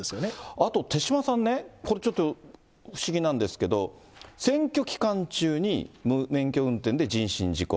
あと手嶋さんね、これちょっと、不思議なんですけど、選挙期間中に無免許運転で人身事故。